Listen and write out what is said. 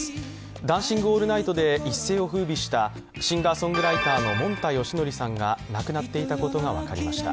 「ダンシング・オールナイト」で一世を風靡したシンガーソングライターのもんたよしのりさんが亡くなっていたことが分かりました。